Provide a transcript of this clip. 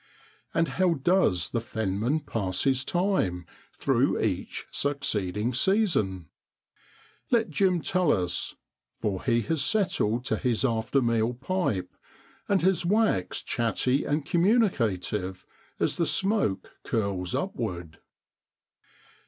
And how does the fenman pass his time through each succeeding season ? Let Jim tell us, for he has settled to his after meal pipe, and has waxed chatty and communicative as the smoke curls upward.